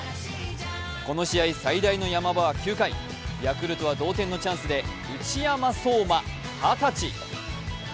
この試合、最大のヤマ場は９回、ヤクルトは同点のチャンスで内山壮真、二十歳。